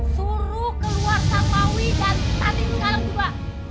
suruh keluar sarmawi dan tati sekarang juga